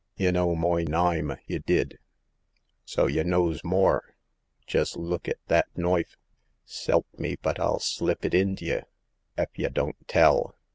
Y' know moy naime, y* did, so y' knows more ! Jes' look et this knoif ! S elp me but FU slip it int' ye, ef y' don't tell